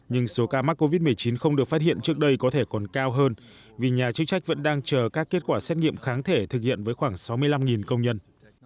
nhưng số ca mắc covid một mươi chín không được phát hiện trước đây có thể còn cao hơn vì nhà chức trách vẫn đang chờ các kết quả xét nghiệm kháng thể thực hiện với khoảng sáu mươi năm công nhân